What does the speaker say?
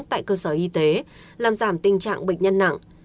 tại cơ sở y tế làm giảm tình trạng bệnh nhân nặng